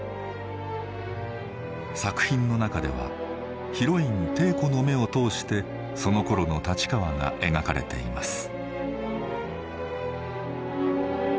作品の中ではヒロイン禎子の目を通してそのころの立川が描かれています。